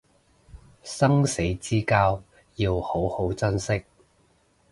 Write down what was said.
生死之交要好好珍惜